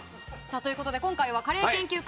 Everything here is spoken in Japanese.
今回はカレー研究家